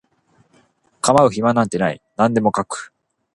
構う暇なんてない何でも描く